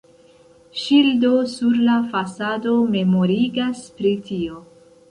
Ŝildo sur la fasado memorigas pri tio.